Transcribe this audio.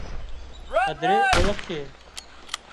هڌري اوۯکشي